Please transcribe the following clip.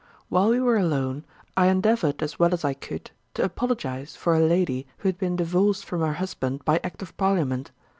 While we were alone, I endeavoured as well as I could to apologise for a lady who had been divorced from her husband by act of Parliament.